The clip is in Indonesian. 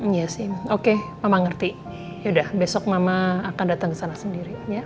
iya sih oke mama ngerti yaudah besok mama akan dateng kesana sendiri ya